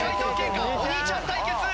お兄ちゃん対決！